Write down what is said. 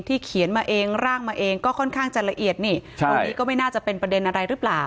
เขียนมาเองร่างมาเองก็ค่อนข้างจะละเอียดนี่ตรงนี้ก็ไม่น่าจะเป็นประเด็นอะไรหรือเปล่า